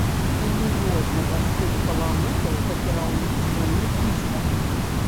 І ніводнага з тых баламутаў да кіраўніцтва ні блізка!